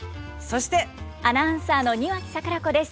アナウンサーの庭木櫻子です。